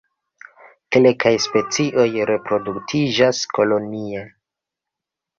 Kelkaj specioj reproduktiĝas kolonie.